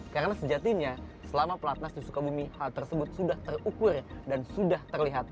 karena sejatinya selama pelatnah susuka bumi hal tersebut sudah terukur dan sudah terlihat